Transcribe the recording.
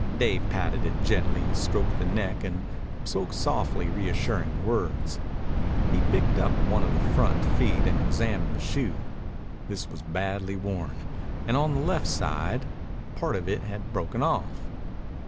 Dave patted it gently, stroked the neck, and spoke softly reassuring words. He picked up one of the front feet and examined the shoe. This was badly worn, and on the left side part of it had broken off.